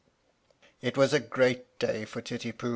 It was a great day for Titipu.